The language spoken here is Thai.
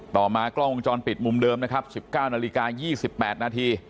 ต่อมากล้องวงจรปิดมุมเดิม๑๙๒๘น